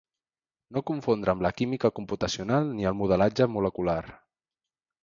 No confondre amb la química computacional ni el modelatge molecular.